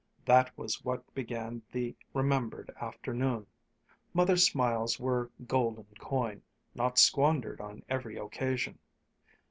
That was what began the remembered afternoon. Mother's smiles were golden coin, not squandered on every occasion.